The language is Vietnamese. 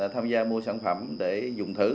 tham gia mua sản phẩm để dùng thử